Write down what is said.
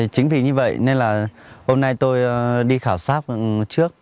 chính vì như vậy nên là hôm nay tôi đi khảo sát trước